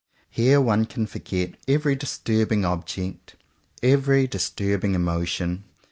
Here one can forget every dis turbing object, every disturbing emotion.